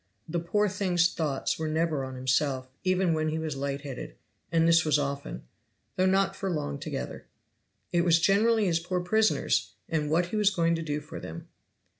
The poor thing's thoughts were never on himself, even when he was light headed, and this was often, though not for long together. It was generally his poor prisoners, and what he was going to do for them.